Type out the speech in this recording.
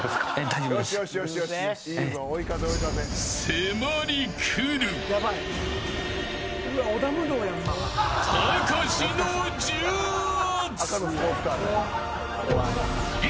迫り来るたかしの重圧。